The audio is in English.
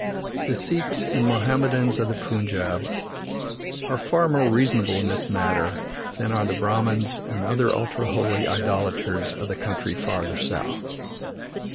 The Sikhs and Mohammedans of the Punjab are far more reasonable in this matter than are the Brahmans and other ultra holy idolaters of the country farther south.